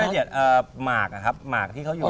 อันนี้ไม่ใช่ประเจียดหมากครับหมากที่เขาอยู่